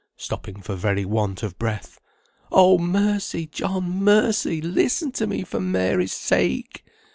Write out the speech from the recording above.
stopping for very want of breath. "Oh, mercy! John, mercy! listen to me for Mary's sake!"